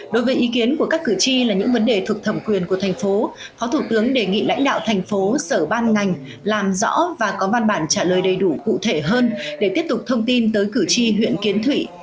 đối với ý kiến của các cử tri là những vấn đề thuộc thẩm quyền của thành phố phó thủ tướng đề nghị lãnh đạo thành phố sở ban ngành làm rõ và có văn bản trả lời đầy đủ cụ thể hơn để tiếp tục thông tin tới cử tri huyện kiến thụy